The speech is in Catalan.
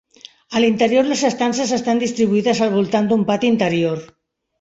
A l'interior les estances estan distribuïdes al voltant d'un pati interior.